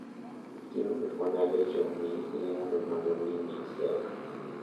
Tiene una hermana Lee Young-mi y un hermano Lee Min-seok.